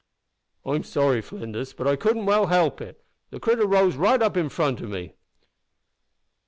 "I'm sorry, Flinders, but I couldn't well help it. The critter rose right in front o' me."